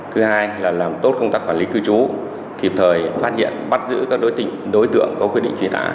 thứ hai là làm tốt công tác quản lý cư trú kịp thời phát hiện bắt giữ các đối tượng có quyết định truy nã